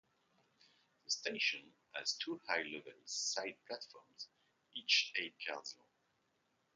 The station has two high-level side platforms, each eight cars long.